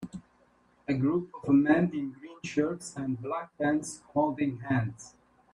A group of men in green shirts and black pants holding hands